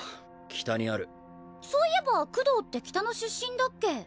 北にあるそういえばクドーって北の出身だっけ？